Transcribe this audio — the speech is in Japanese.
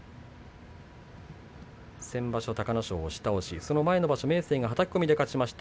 先場所、隆の勝、押し倒しその場所、明生がはたき込みで勝ちました。